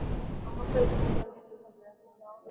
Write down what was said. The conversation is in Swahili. na mwaka elfumoja miatisa thelathini Wakurdi waliasi